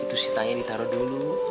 itu sitanya ditaruh dulu